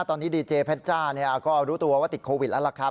ตอนนี้ดีเจเพชจ้าก็รู้ตัวว่าติดโควิดแล้วล่ะครับ